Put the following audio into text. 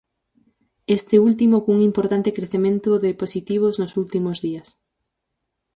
Este último, cun importante crecemento de positivos nos últimos días.